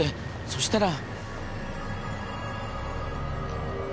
そしたら。